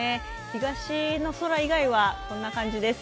東の空以外は、こんな感じです。